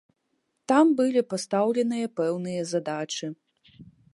Там былі пастаўленыя пэўныя задачы.